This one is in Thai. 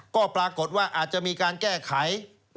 ก็ปรากฏว่าอาจจะมีการแก้ไข